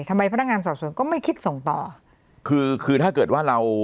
พนักงานสอบส่วนก็ไม่คิดส่งต่อคือคือถ้าเกิดว่าเรา